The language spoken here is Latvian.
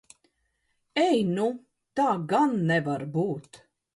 Ej nu! Tā gan nevar būt!